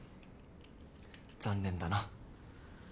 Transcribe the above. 残念だな。